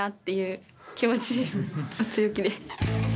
強気で。